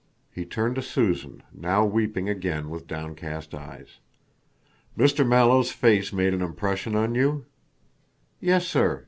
He turned to Susan, now weeping again with downcast eyes. "Mr. Mallow's face made an impression on you?" "Yes, sir.